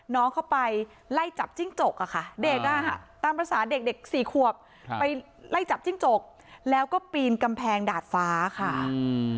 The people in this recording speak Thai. น้องเข้าไปไล่จับจิ้งจกอะค่ะเด็กอ่ะตามภาษาเด็กเด็กสี่ขวบครับไปไล่จับจิ้งจกแล้วก็ปีนกำแพงดาดฟ้าค่ะอืม